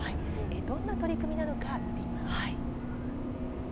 どんな取り組みなのか見ていきます。